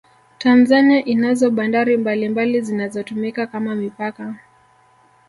Tanzania inazo bandari mbalimbali zinazotumika kama mipaka